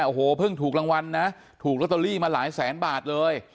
โอ้โหเพิ่งถูกรางวัลนะถูกลอตเตอรี่มาหลายแสนบาทเลย